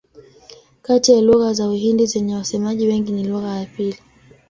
Kati ya lugha za Uhindi zenye wasemaji wengi ni lugha ya pili.